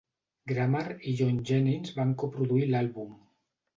Grammer i John Jennings van coproduir l'àlbum.